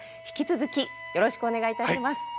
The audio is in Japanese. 引き続きよろしくお願いいたします。